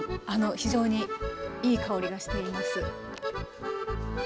非常にいい香りがしています。